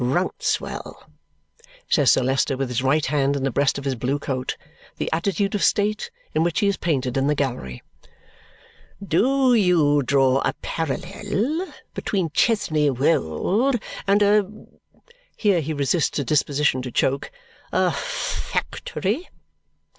Rouncewell," says Sir Leicester with his right hand in the breast of his blue coat, the attitude of state in which he is painted in the gallery, "do you draw a parallel between Chesney Wold and a " Here he resists a disposition to choke, "a factory?"